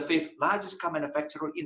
pembangunan komputer ke lima di dunia